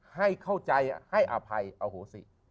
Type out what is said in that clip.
ให้เข้าใจให้อภัยอโหสิ